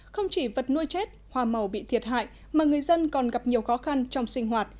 không chỉ vật nuôi chết hoa màu bị thiệt hại mà người dân còn gặp nhiều khó khăn trong sinh hoạt